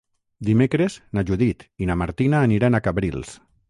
Dimecres na Judit i na Martina aniran a Cabrils.